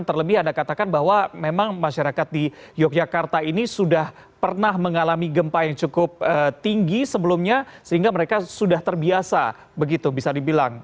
terlebih anda katakan bahwa memang masyarakat di yogyakarta ini sudah pernah mengalami gempa yang cukup tinggi sebelumnya sehingga mereka sudah terbiasa begitu bisa dibilang